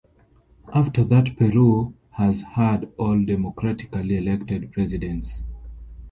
After that Peru has had all democratically elected presidents.